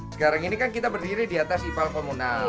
sekarang ini kan kita berdiri di atas ipal komunal